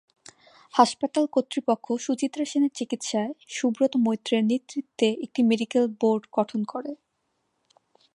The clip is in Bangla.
হাসপাতাল কর্তৃপক্ষ সুচিত্রা সেনের চিকিৎসায় সুব্রত মৈত্রের নেতৃত্বে একটি মেডিকেল বোর্ড গঠন করে।